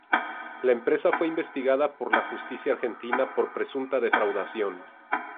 La empresa fue investigada por la justicia argentina por presunta defraudación.